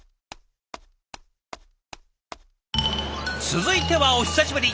続いてはお久しぶり